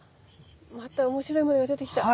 また面白いものが出てきた！